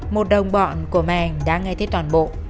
một đồng bọn của mèn đã nghe thấy toàn bộ